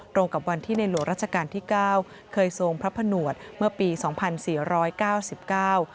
กับวันที่ในหลวงราชการที่เก้าเคยทรงพระผนวดเมื่อปีสองพันสี่ร้อยเก้าสิบเก้า